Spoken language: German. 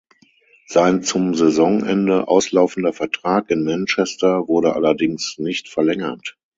Sein zum Saisonende auslaufender Vertrag in Manchester wurde allerdings nicht verlängert.